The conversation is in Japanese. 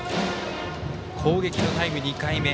攻撃のタイム、２回目。